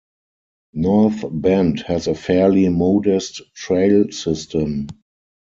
North Bend has a fairly modest trail system.